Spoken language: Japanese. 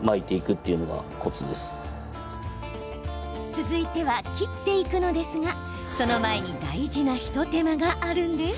続いては、切っていくのですがその前に大事な一手間があるんです。